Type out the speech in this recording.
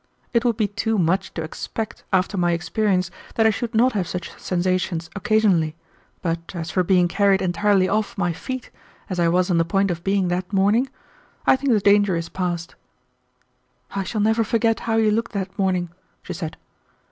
It would be too much to expect after my experience that I should not have such sensations occasionally, but as for being carried entirely off my feet, as I was on the point of being that morning, I think the danger is past." "I shall never forget how you looked that morning," she said.